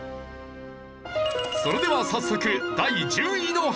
それでは早速第１０位の発表。